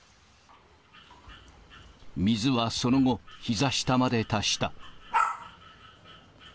水はその後、ひざ下まで達した。